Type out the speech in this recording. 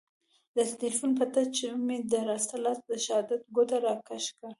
د تیلیفون په ټچ مې د راسته لاس د شهادت ګوته را کش کړه.